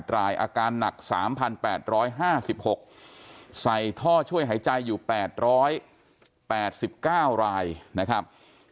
รายอาการหนัก๓๘๕๖ใส่ท่อช่วยหายใจอยู่๘๘๙รายนะครับ